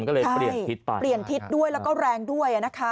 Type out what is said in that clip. ก็เลยเปลี่ยนทิศไปเปลี่ยนทิศด้วยแล้วก็แรงด้วยนะคะ